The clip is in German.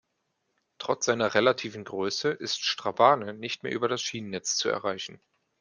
Trotz seiner relativen Größe ist Strabane nicht mehr über das Schienennetz zu erreichen.